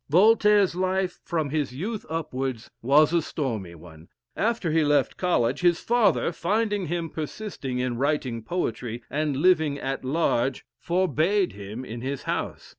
Voltaire's life, from his youth upwards, was a stormy one. After he left College, his father, finding him persist in writing poetry, and living at large, forbade him his house.